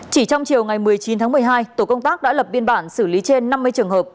chỉ trong chiều ngày một mươi chín tháng một mươi hai tổ công tác đã lập biên bản xử lý trên năm mươi trường hợp